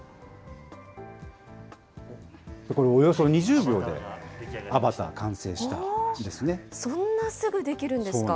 これ、およそ２０秒でアバター完成したんですね。